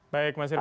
baik mas irwan